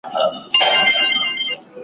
قدر کېمیا دی په دې دیار کي ,